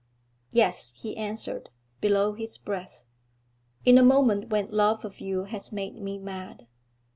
'Yes,' he answered, below his breath, 'in a moment when love of you has made me mad.'